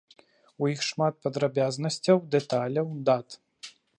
У іх шмат падрабязнасцяў, дэталяў, дат.